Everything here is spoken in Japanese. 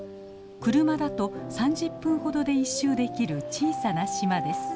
車だと３０分ほどで一周できる小さな島です。